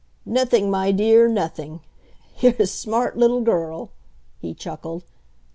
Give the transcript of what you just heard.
"Nothing, my dear; nothing. You're a smart little girl," he chuckled.